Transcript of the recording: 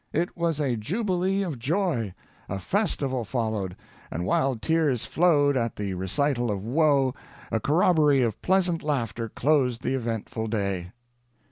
"It was a jubilee of joy. A festival followed. And, while tears flowed at the recital of woe, a corrobory of pleasant laughter closed the eventful day."